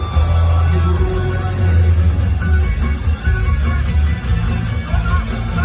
ขอให้ด้วยขอให้ด้วยขอให้ด้วยขอให้ด้วย